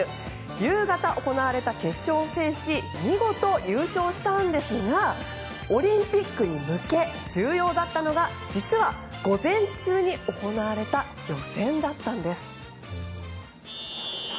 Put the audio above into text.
夕方行われた決勝を制し見事、優勝したんですがオリンピックに向け重要だったのが実は午前中に行われた予選だったんです。